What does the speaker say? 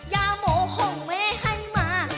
อย่าโหม่ห่องแม่ให้มา